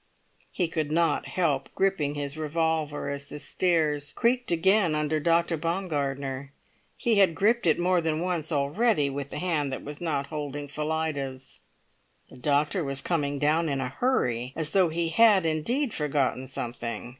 He could not help gripping his revolver as the stairs creaked again under Dr. Baumgartner; he had gripped it more than once already with the hand that was not holding Phillida's. The doctor was coming down in a hurry, as though he had indeed forgotten something.